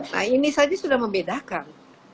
nah ini saja sudah membedakan